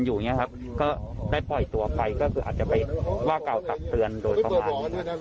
อยู่อายุระหว่าง๑๖๑๘ปีครับ